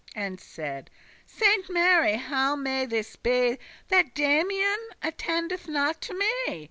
And saide; "Saint Mary, how may this be, That Damian attendeth not to me?